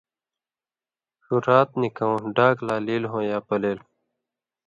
ݜُو رات نِکؤں ڈاگ لا لیل ہو یا پلېل۔